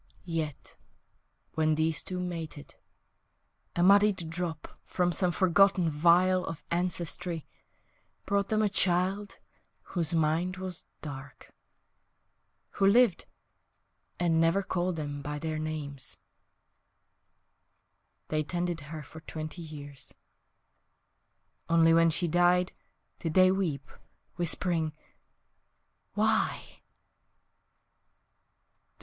.... Yet, when these two mated, A muddied drop, from some forgotten vial of ancestry, Brought them a child whose mind was dark; Who lived and never called them by their names ....... They tended her For twenty years. Only when she died Did they weep, whispering, "Why?"